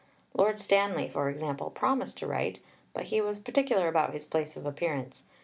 Lord Stanley, for example, promised to write, but he was particular about his place of appearance.